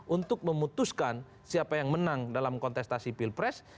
untuk memutuskan siapa yang menang dalam kontestasi pilpres